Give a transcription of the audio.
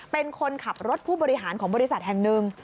เป็นคนขับรถผู้บริหารของบริษัทแห่งหนึ่ง